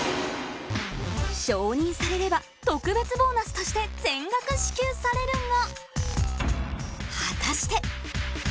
承認されれば特別ボーナスとして全額支給されるが果たして？